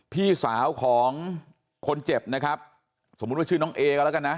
พี่สาวของคนเจ็บนะครับสมมุติว่าชื่อน้องเอก็แล้วกันนะ